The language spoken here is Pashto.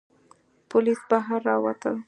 پوليس بهر را ووتل.